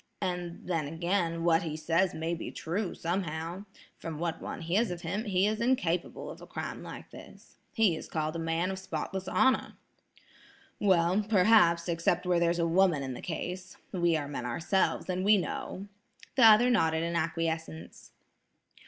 And then, again, what he says may be true, somehow. From what one hears of him, he is incapable of a crime like this. He is called a man of spotless honor." "Well, perhaps, except where there's a woman in the case. We are men ourselves, and we know." The other nodded in acquiescence.